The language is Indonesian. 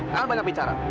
kalian banyak bicara